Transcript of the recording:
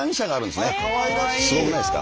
すごくないですか？